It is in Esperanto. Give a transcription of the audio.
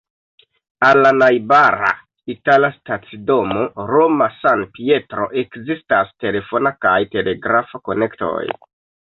Al la najbara itala stacidomo Roma-San-Pietro ekzistas telefona kaj telegrafa konektoj.